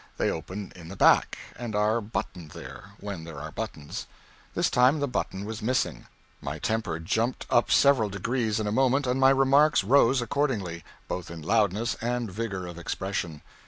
They open in the back, and are buttoned there when there are buttons. This time the button was missing. My temper jumped up several degrees in a moment, and my remarks rose accordingly, both in loudness and vigor of expression.